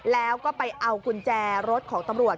แล้วก็ไปเอากุญแจรถของตำรวจ